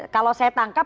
kalau saya tangkap